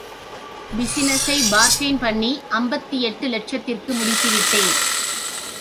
பிசினசை பார்க்கெய்ன் பண்ணி ஐம்பத்தெட்டு லட்சத்திற்கு முடித்து விட்டேன்.